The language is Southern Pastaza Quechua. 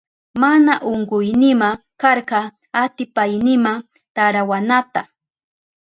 Mana unkuynima karka atipaynima tarawanata.